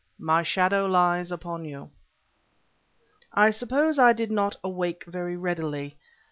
"MY SHADOW LIES UPON YOU" I suppose I did not awake very readily.